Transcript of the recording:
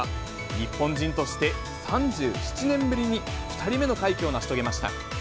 日本人として３７年ぶりに２人目の快挙を成し遂げました。